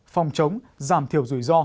phòng chống giảm thiểu rủi ro